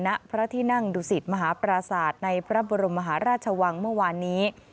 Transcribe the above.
ณพระที่นั่งดุสิตมหาปราศาสตร์ในพระบรมมหาราชวังเมื่อวานนี้